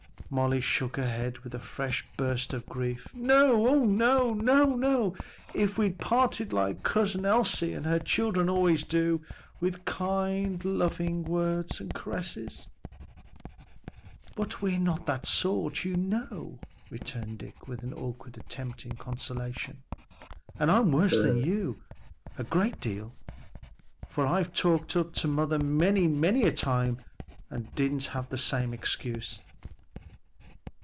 Molly shook her head with a fresh burst of grief. "No, oh no! oh, if we'd parted like Cousin Elsie and her children always do! with kind, loving words and caresses." "But we're not that sort, you know," returned Dick with an awkward attempt at consolation, "and I'm worse than you, a great deal, for I've talked up to mother many a time and didn't have the same excuse."